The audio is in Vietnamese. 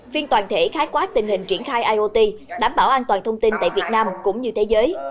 viên toàn thể khái quát tình hình triển khai iot đảm bảo an toàn thông tin tại việt nam cũng như thế giới